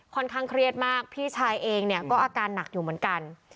ค่อนข้างเครียดมากพี่ชายเองเนี่ยก็อาการหนักอยู่เหมือนกัน